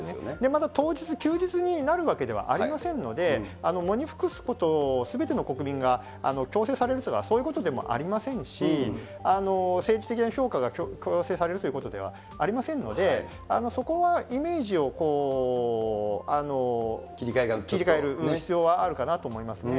また当日、休日になるわけではありませんので、喪に服すことをすべての国民が強制されるというのは、そういうことでもありませんし、政治的な評価が強制されるということではありませんので、そこはイメージを切り替える必要はあるかなと思いますね。